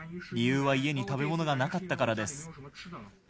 理由は家に食べ物がなかったからです。